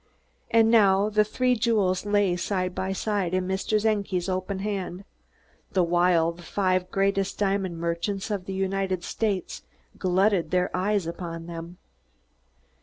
And now the three jewels lay side by side in Mr. Czenki's open hand, the while the five greatest diamond merchants of the United States glutted their eyes upon them.